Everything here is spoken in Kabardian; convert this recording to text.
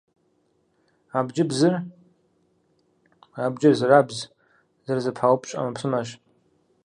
Абджыбзыр - абджыр зэрабз, зэрызэпаупщӏ ӏэмэпсымэщ.